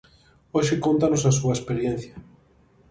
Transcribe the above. Hoxe cóntanos a súa experiencia.